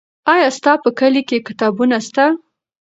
آیا ستا په کلي کې کتابتون سته؟